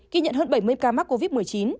ghi nhận hơn bảy mươi ca mắc covid một mươi chín